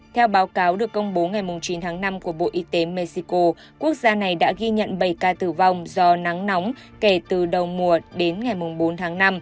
theo báo cáo được công bố ngày chín tháng năm của bộ y tế mexico quốc gia này đã ghi nhận bảy ca tử vong do nắng nóng kể từ đầu mùa đến ngày bốn tháng năm